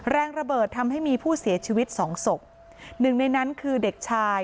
แรงระเบิดทำให้มีผู้เสียชีวิตสองศพหนึ่งในนั้นคือเด็กชาย